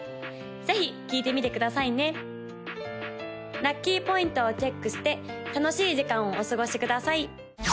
ぜひ聴いてみてくださいね・ラッキーポイントをチェックして楽しい時間をお過ごしください！